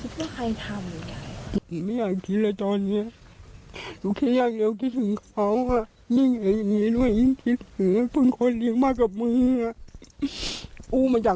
ก็แล้วยอมแสนหลังดีกว่าที่คนอื่น